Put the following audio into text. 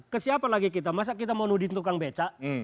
kesialan lagi kita masa kita mau nudin tukang becak